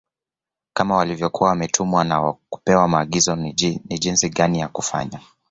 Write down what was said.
Kama walivyokuwa wametumwa na kupewa maagizo ni jinsi gani ya Kufanya